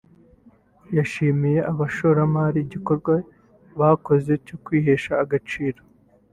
yashimiye aba bashoramari igikorwa bakoze cyo kwihesha agaciro